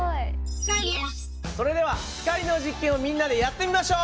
それでは光の実験をみんなでやってみましょう！